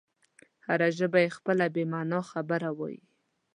هره ژبه یې خپله بې مانا خبره وایي.